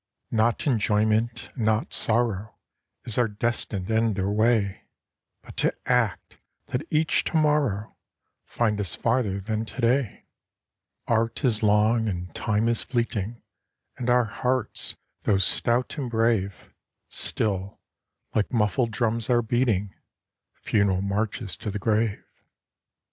VOICES OF THE NIGHT. Not enjoyment, and not sorrow, Is our destined end or way ; But to act, that each to morrow Find us farther than to day. Art is long, and Time is fleeting, And our hearts, though stout and brave, Still, like muffled drums, are beating Funeral marches to the grave.